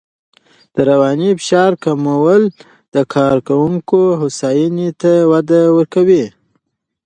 د رواني فشار کمول د کارکوونکو هوساینې ته وده ورکوي.